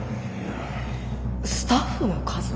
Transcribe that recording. スタッフの数を？